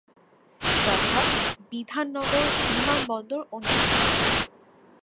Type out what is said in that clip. যথা: বিধাননগর, বিমানবন্দর ও নিউ টাউন।